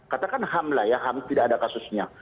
katakan ham lah ya ham tidak ada kasusnya